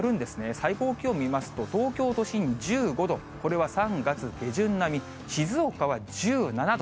最高気温見ますと、東京都心１５度、これは３月下旬並み、静岡は１７度。